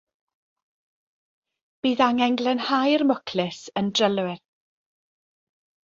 Bydd angen glanhau'r mwclis yn drylwyr.